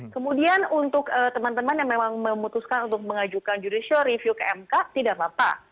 kemudian untuk teman teman yang memang memutuskan untuk mengajukan judicial review ke mk tidak apa apa